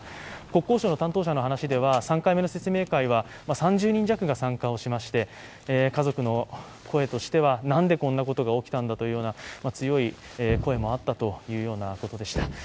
国交省の担当者に話では、３回目の説明会は３０人弱が参加しまして、家族の声としては、なんでこんなことが起きたんだという強い声もあったというようなことでした。